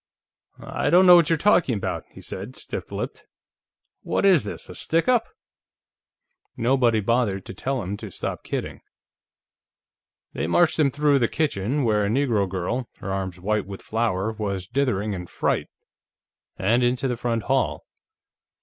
"I don't know what you're talking about," he said, stiff lipped. "What is this, a stick up?" Nobody bothered to tell him to stop kidding. They marched him through the kitchen, where a Negro girl, her arms white with flour, was dithering in fright, and into the front hall.